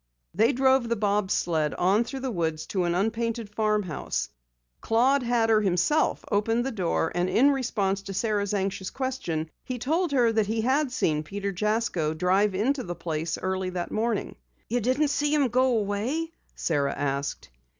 They drove the bob sled on through the woods to an unpainted farm house. Claud Hatter himself opened the door, and in response to Sara's anxious question, he told her that he had seen Peter Jasko drive into the place early that morning. "You didn't see him go away?" Sara asked.